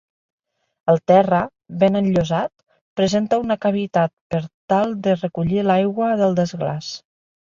El terra, ben enllosat, presenta una cavitat per tal de recollir l'aigua del desglaç.